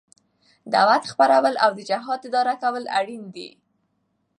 دعوت خپرول او د جهاد اداره کول اړين دي.